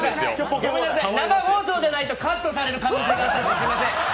生放送じゃないとカットされる可能性があるので、すいません。